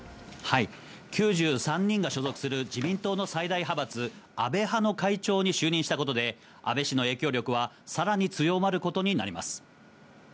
９３人が所属する自民党の最大派閥、安倍派の会長に就任したことで、安倍氏の影響力はさらに強まることになります。